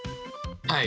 はい。